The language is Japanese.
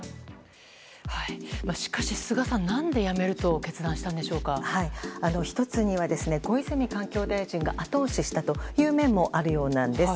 しかし菅さん、なんで辞める１つには、小泉環境大臣が後押ししたという面もあるようなんです。